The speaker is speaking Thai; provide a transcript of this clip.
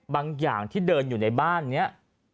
อย่างที่เดินอยู่ในบ้านนี้